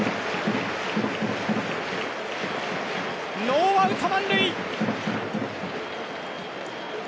ノーアウト満塁。